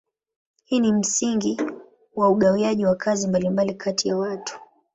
Hii ni msingi wa ugawaji wa kazi mbalimbali kati ya watu.